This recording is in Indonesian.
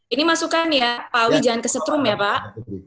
ini masukan ya pak awi jangan kesetrum ya pak